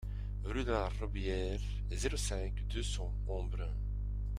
Rue de la Robéyère, zéro cinq, deux cents Embrun